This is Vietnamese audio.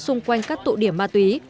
xung quanh các tụ điểm ma túy